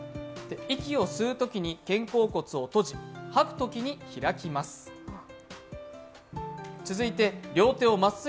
息を吸うときに肩甲骨を閉じ吐くときに開きます。